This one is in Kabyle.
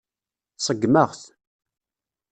Ṣeggmeɣ-t.